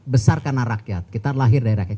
besar karena rakyat kita lahir dari rakyat